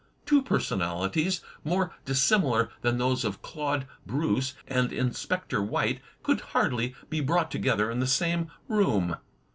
Two personalities more dissimilar than those of Claude Bruce and Inspector White could hardly be brought together in the same room.